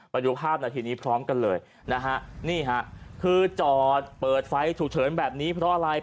ไปดูภาพนาทีนี้พร้อมกันเลยนะฮะนี่ฮะคือจอดเปิดไฟฉุกเฉินแบบนี้เพราะอะไร